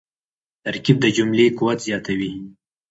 ترکیب د جملې قوت زیاتوي.